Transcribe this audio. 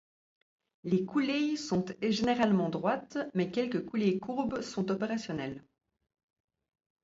Les coulées sont généralement droites, mais quelques coulées courbes sont opérationnelles.